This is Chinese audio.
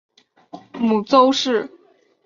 母邹氏。